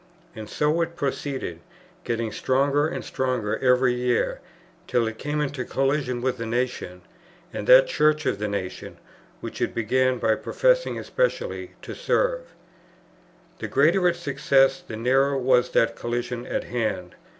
And so it proceeded, getting stronger and stronger every year, till it came into collision with the Nation, and that Church of the Nation, which it began by professing especially to serve." The greater its success, the nearer was that collision at hand.